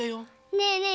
ねえねえ